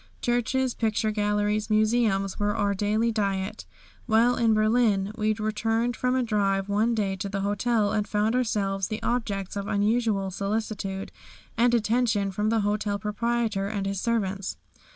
Churches, picture galleries, museums were our daily diet. While in Berlin we returned from a drive one day to the hotel and found ourselves the objects of unusual solicitude and attention from the hotel proprietor and his servants.